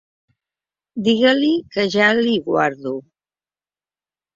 Digue-li que ja li guardo.